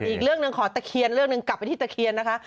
อีกเรื่องหนึ่งขอตะเคียนเรื่องหนึ่งกลับไปที่ตะเคียนนะคะ